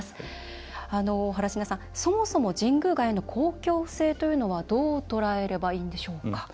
原科さん、そもそも神宮外苑の公共性というのはどうとらえればいいんでしょうか。